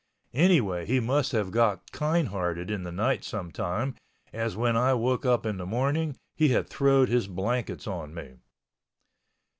Anyway he must have got kindhearted in the night sometime, as when I woke up in the morning he had throwed his blankets on me.